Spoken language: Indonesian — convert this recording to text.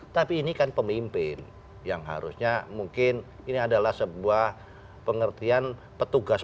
tapi dijawabkan nanti mas